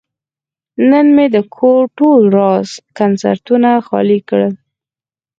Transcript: نن مې د کور ټول زاړه کنسترونه خالي کړل.